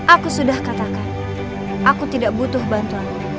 aku sudah katakan aku tidak butuh bantuan